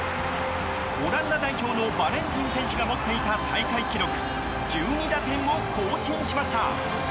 オランダ代表のバレンティン選手が持っていた大会記録１２打点を更新しました。